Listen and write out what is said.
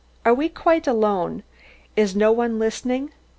"Are we quite alone? Is no one listening?"